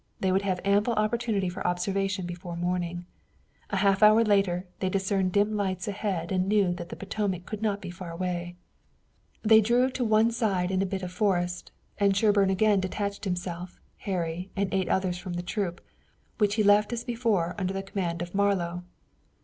They would have ample opportunity for observation before morning. A half hour later they discerned dim lights ahead and they knew that the Potomac could not be far away. They drew to one side in a bit of forest, and Sherburne again detached himself, Harry and eight others from the troop, which he left as before under the command of Marlowe.